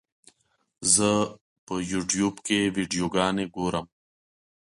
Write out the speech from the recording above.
زه په یوټیوب کې ویډیوګانې ګورم.